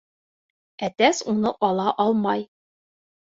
Әтәс уны ала алмай.